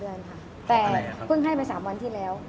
เดือนค่ะแต่เพิ่งให้ไป๓วันที่แล้ว